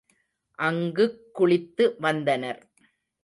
அங்குக் குளித்து வந்தனர்.